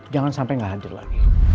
jangan sampai nggak hadir lagi